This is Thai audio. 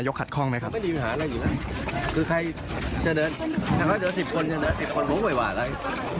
จะเดิน๑๐คนผมไม่ว่าอะไร